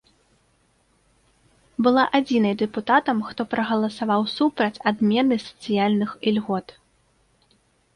Была адзінай дэпутатам, хто прагаласаваў супраць адмены сацыяльных ільгот.